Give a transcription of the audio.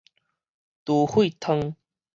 豬血湯